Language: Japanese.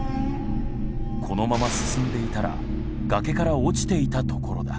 このまま進んでいたら崖から落ちていたところだ。